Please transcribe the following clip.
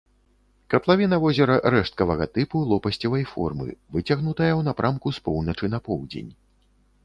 Катлавіна возера рэшткавага тыпу, лопасцевай формы, выцягнутая ў напрамку з поўначы на поўдзень.